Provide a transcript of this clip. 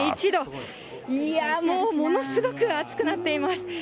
いやー、もうものすごく暑くなっています。